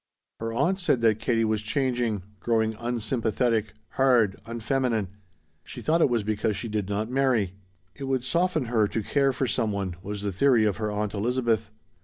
Her aunt said that Katie was changing: growing unsympathetic, hard, unfeminine. She thought it was because she did not marry. It would soften her to care for some one, was the theory of her Aunt Elizabeth.